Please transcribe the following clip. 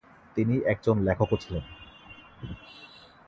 তিনি একজন লেখকও ছিলেন।